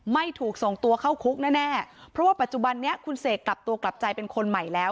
ไม่ถูกส่งตัวเข้าคุกแน่เพราะว่าปัจจุบันนี้คุณเสกกลับตัวกลับใจเป็นคนใหม่แล้ว